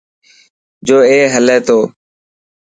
جو اي هلي تو.